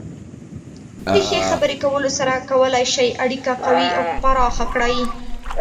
د ښې خبرې کولو سره کولی شئ اړیکه قوي او پراخه کړئ.